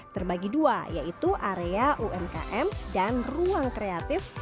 terbagi dua yaitu area umkm dan ruang kreatif